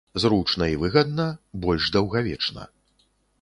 Зручна і выгадна, больш даўгавечна.